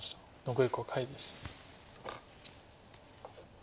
残り５回です。